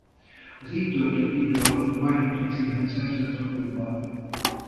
Az itt töltött idő alatt bajnoki címet szerzett a klubbal.